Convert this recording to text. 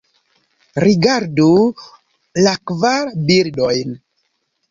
Rigardu la kvar bildojn.